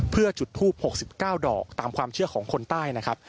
เพื่อจุดทูป๖๙ดอกตามความเชื่อของคนใต้นะครับ